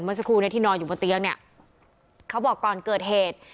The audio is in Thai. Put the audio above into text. เมื่อสักครู่ที่นอนอยู่บนเตี๊ยงเขาบอกก่อนเกิดเหตุ